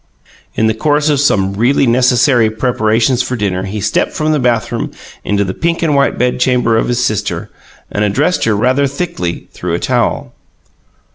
In the course of some really necessary preparations for dinner he stepped from the bathroom into the pink and white bedchamber of his sister, and addressed her rather thickly through a towel.